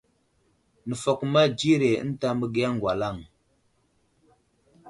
Nəfakoma dzire ənta məgiya ŋgalaŋ.